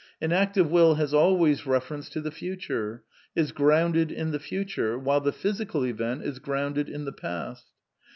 An act of will has always reference to the future, is grounded in the future, while the physical event is grounded in the past.